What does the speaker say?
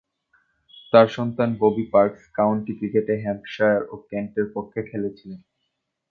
তার সন্তান Bobby Parks county ক্রিকেটে হ্যাম্পশায়ার ও কেন্টের পক্ষে খেলেছিলেন।